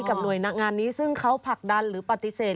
หน่วยงานนี้ซึ่งเขาผลักดันหรือปฏิเสธ